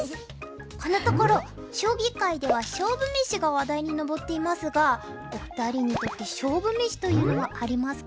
このところ将棋界では勝負めしが話題に上っていますがお二人にとって勝負めしというのはありますか？